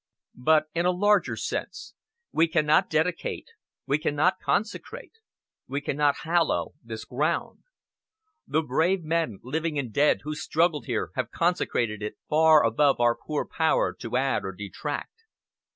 "But in a larger sense, we cannot dedicate we cannot consecrate we cannot hallow this ground. The brave men, living and dead, who struggled here have consecrated it far above our poor power to add or detract.